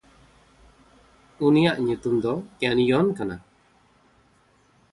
ᱩᱱᱤᱭᱟᱜ ᱧᱩᱛᱩᱢ ᱫᱚ ᱠᱮᱱᱭᱚᱱ ᱠᱟᱱᱟ᱾